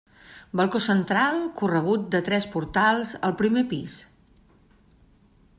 Balcó central corregut de tres portals, al primer pis.